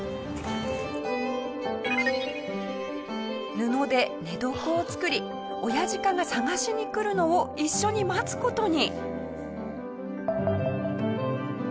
布で寝床を作り親鹿が探しに来るのを一緒に待つ事に。